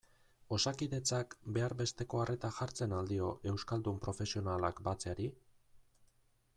Osakidetzak behar besteko arreta jartzen al dio euskaldun profesionalak batzeari?